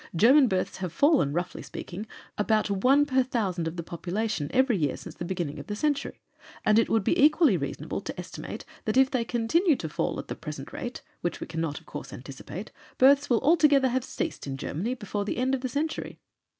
German births have fallen, roughly speaking, about 1 per 1,000 of the population, every year since the beginning of the century, and it would be equally reasonable to estimate that if they continue to fall at the present rate (which we cannot, of course, anticipate) births will altogether have ceased in Germany before the end of the century.